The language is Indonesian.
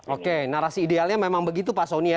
oke narasi idealnya memang begitu pak soni ya